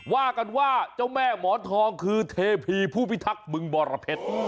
ว่ากันว่าเจ้าแม่หมอนทองคือเทพีผู้พิทักษ์บึงบรเพชร